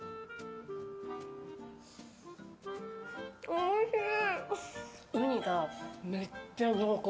おいしい！